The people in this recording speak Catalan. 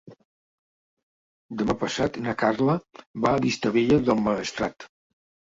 Demà passat na Carla va a Vistabella del Maestrat.